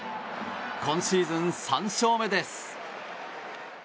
今シーズン３勝目です。